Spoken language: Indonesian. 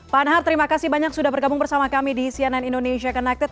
pak anhar terima kasih banyak sudah bergabung bersama kami di cnn indonesia connected